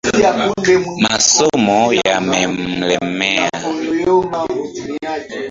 Masomo yamemlemea